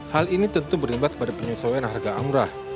hal ini tentu berlembab pada penyesuaian harga umrah